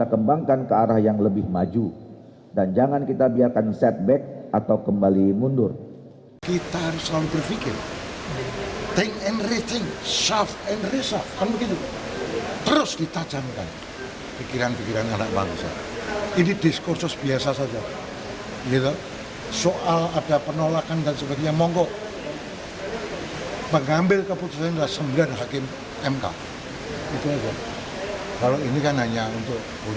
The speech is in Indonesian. asas inilah yang menjadi landasan utama bagi delapan fraksi tersebut untuk menolak sistem pemilu yang ideal bagi masyarakat